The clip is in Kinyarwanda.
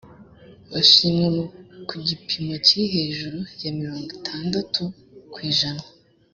bashimwa ku gipimo kiri hejuru ya mirongo itandatu ku ijana